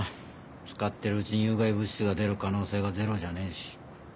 使ってるうちに有害物質が出る可能性がゼロじゃねぇし。